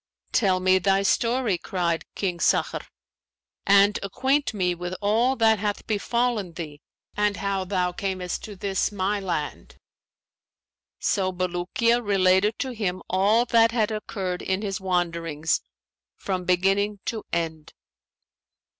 'Tell me thy story,' cried King Sakhr, 'and acquaint me with all that hath befallen thee and how thou camest to this my land.' So Bulukiya related to him all that had occurred in his wanderings from beginning to end."